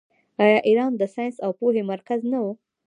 آیا ایران د ساینس او پوهې مرکز نه و؟